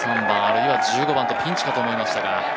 １３番、あるいは１５番とピンチかと思いましたが。